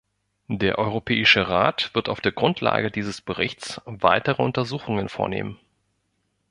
Der Europäische Rat wird auf der Grundlage dieses Berichts weitere Untersuchungen vornehmen.